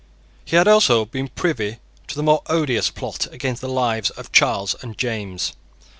He had also been privy to the more odious plot against the lives of Charles and James.